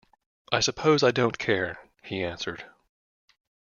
"I suppose I don't care," he answered.